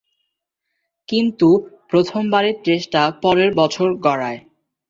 কিন্তু প্রথমবারের চেষ্টা পরের বছর গড়ায়।